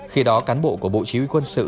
khi đó cán bộ của bộ chỉ huy quân sự